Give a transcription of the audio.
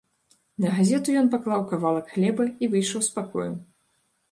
На газету ён паклаў кавалак хлеба і выйшаў з пакоя.